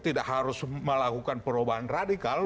tidak harus melakukan perubahan radikal